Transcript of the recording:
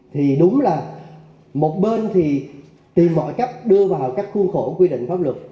thì đúng là một bên thì tìm mọi cách đưa vào các khuôn khổ quy định pháp luật